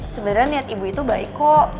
sebenarnya niat ibu itu baik kok